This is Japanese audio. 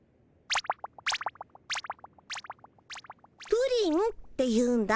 プリンっていうんだ。